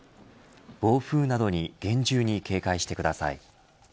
暴風などに厳重に警戒してください。